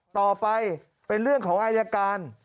ต่อไปเป็นเรื่องของอายการ